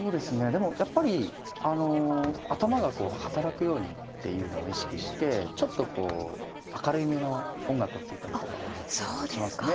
でもやっぱりあの頭が働くようにっていうのを意識してちょっとこう明るめの音楽を聴いたりとかはしますね。